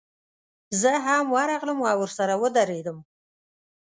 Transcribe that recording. زه هم ورغلم او ورسره ودرېدم.